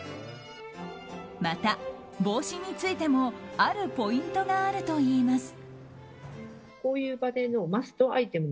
また帽子についてもあるポイントがあるといいます。